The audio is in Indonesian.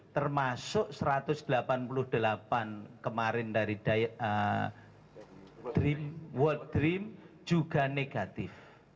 termasuk satu ratus delapan puluh delapan kemarin dari world dream juga negatif